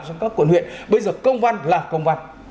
trong các quận huyện bây giờ công văn là công văn